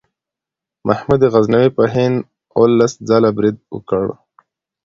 محمود غزنوي په هند اوولس ځله برید وکړ.